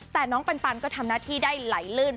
แต่น้องปันก็ทำหน้าที่ได้ไหลลื่น